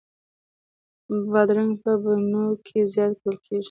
بادرنګ په بڼو کې زیات کرل کېږي.